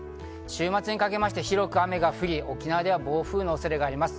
週末にかけまして広く雨が降り、沖縄では暴風雨の恐れがあります。